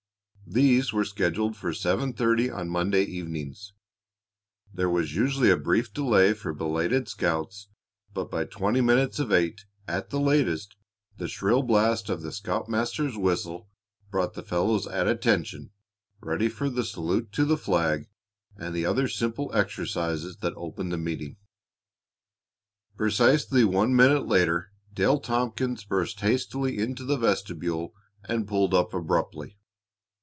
These were scheduled for seven thirty on Monday evenings. There was usually a brief delay for belated scouts, but by twenty minutes of eight, at latest, the shrill blast of the scoutmaster's whistle brought the fellows at attention, ready for the salute to the flag and the other simple exercises that opened the meeting. Precisely one minute later Dale Tompkins burst hastily into the vestibule and pulled up abruptly.